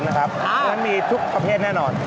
เพราะฉะนั้นมีทุกประเภทแน่นอน